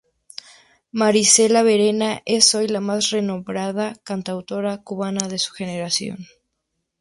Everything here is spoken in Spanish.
Marisela Verena es hoy la más renombrada cantautora cubana de su generación.